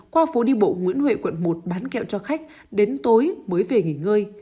qua phố đi bộ nguyễn huệ quận một bán kẹo cho khách đến tối mới về nghỉ ngơi